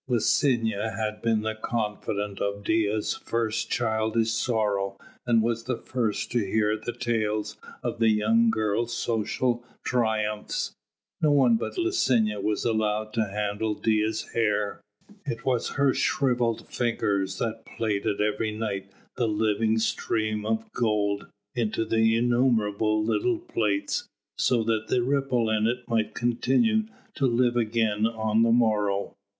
Licinia had been the confidante of Dea's first childish sorrow and was the first to hear the tales of the young girl's social triumphs. No one but Licinia was allowed to handle Dea's hair. It was her shrivelled fingers that plaited every night the living stream of gold into innumerable little plaits, so that the ripple in it might continue to live again on the morrow.